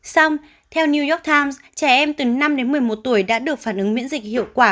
xong theo new york times trẻ em từ năm đến một mươi một tuổi đã được phản ứng miễn dịch hiệu quả